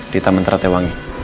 di taman tera tewangi